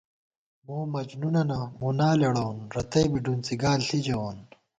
مومجنُونَنہ مُنا لېڑَوون، رتئ بی ڈُنڅی گال ݪی ژَوون